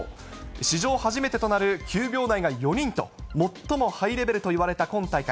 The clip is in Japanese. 史上初めてとなる９秒台が４人と、最もハイレベルといわれた今大会。